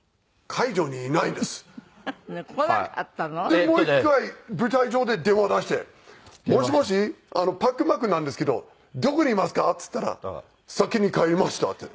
でもう一回舞台上で電話出して「もしもしパックンマックンなんですけどどこにいますか？」って言ったら「先に帰りました」って。